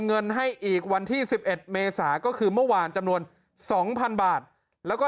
เงินให้อีกวันที่๑๑เมษาก็คือเมื่อวานจำนวน๒๐๐๐บาทแล้วก็